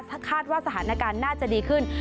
ถ้าคาดว่าสถานการณ์น่าจะดีขึ้น